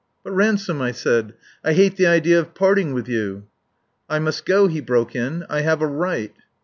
"But, Ransome," I said. "I hate the idea of parting with you." "I must go," he broke in. "I have a right!"